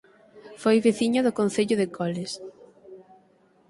Foi veciño do Concello de Coles